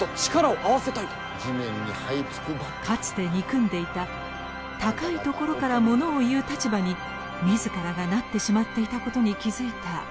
かつて憎んでいた高いところからものを言う立場に自らがなってしまっていたことに気付いた栄一は。